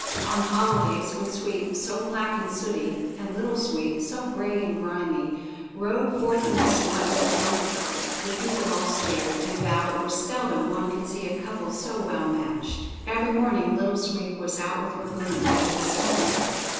On holidays, when Sweep, so black and sooty, and Little Sweep, so gray and grimy, rode forth in the smart little donkey cart, the people all stared and vowed it was seldom one could see a couple so well matched. Every morning Little Sweep was out with her broom, before the sun was up.